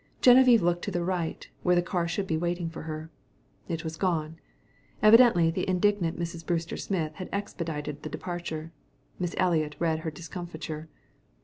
Geneviève looked to the right, where the car should be waiting her. It was gone. Evidently the indignant Mrs. Brewster Smith had expedited the departure. Miss Eliot read her discomfiture.